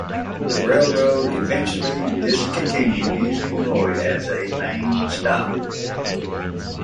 The railroad eventually discontinued using Roy as a main stop.